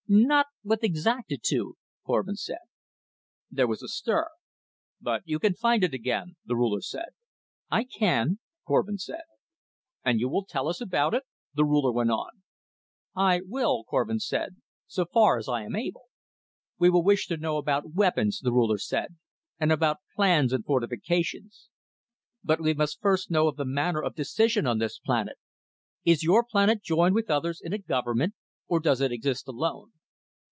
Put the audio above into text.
"Not with exactitude," Korvin said. There was a stir. "But you can find it again," the Ruler said. "I can," Korvin said. "And you will tell us about it?" the Ruler went on. "I will," Korvin said, "so far as I am able." "We will wish to know about weapons," the Ruler said, "and about plans and fortifications. But we must first know of the manner of decision on this planet. Is your planet joined with others in a government or does it exist alone?"